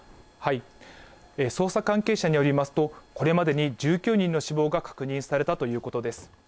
捜査関係者によりますと、これまでに１９人の死亡が確認されたということです。